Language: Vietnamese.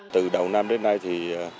từ đầu năm đến nay thì